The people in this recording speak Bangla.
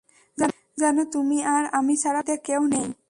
যেন তুমি আর আমি ছাড়া পৃথিবীতে কেউ নেই।